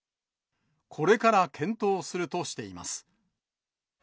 これから検討するとしています。